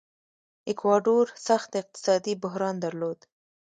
ایکواډور سخت اقتصادي بحران درلود.